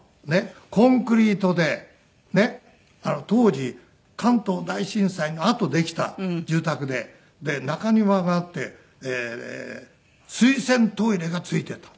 コンクリートで当時関東大震災のあとできた住宅で中庭があって水洗トイレが付いてた。